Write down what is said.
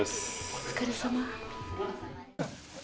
お疲れさま。